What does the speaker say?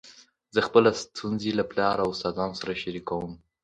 زه خپلي ستونزي له پلار او استادانو سره شریکوم.